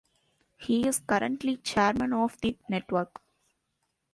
He is currently Chairman of the Network.